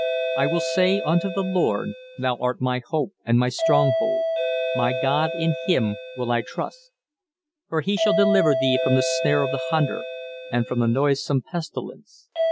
"I will say unto the Lord, Thou art my hope, and my stronghold: my God, in him will I trust. "For he shall deliver thee from the snare of the hunter: and from the noisome pestilence.